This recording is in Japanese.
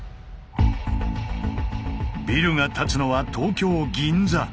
ビルが立つのは東京銀座。